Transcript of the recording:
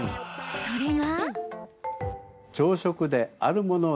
それが。